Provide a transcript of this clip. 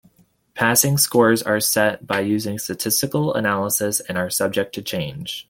Passing scores are set by using statistical analysis and are subject to change.